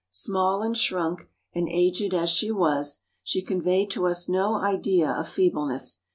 Small, and shrunk, and aged as she was, she conveyed to us no idea of feebleness.